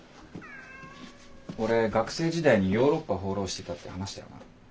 俺学生時代にヨーロッパ放浪してたって話したよな。